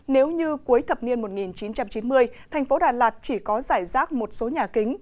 nếu như cuối thập niên một nghìn chín trăm chín mươi thành phố đà lạt chỉ có giải rác một số nhà kính